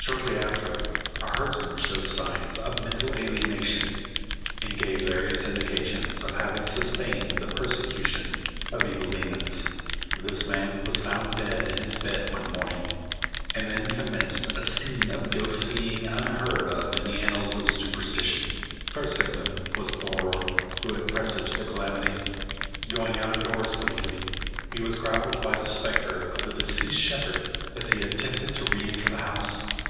Shortly after a herdsman showed signs of mental alienation, and gave various indications of having sustained the persecution of evil demons. This man was found dead in his bed one morning, and then commenced a scene of ghost seeing unheard of in the annals of superstition. The first victim was Thorer, who had presaged the calamity. Going out of doors one evening, he was grappled by the spectre of the deceased shepherd as he attempted to re enter the house.